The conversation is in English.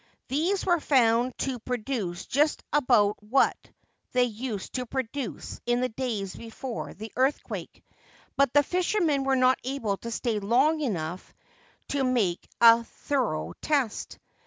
These were found to produce just about what they used to produce in the days before the earthquake ; but the fishermen were not able to stay long enough to 275 Ancient Tales and Folklore of Japan make a thorough test.